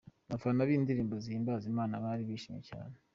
Abafana b'indirimbo zihimbaza Imana bari bishimye cyane.